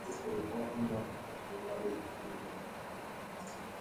Un Templo Solar, citado en la Piedra de Palermo, aún no encontrado.